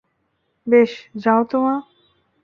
বেশ, যাও তো মা!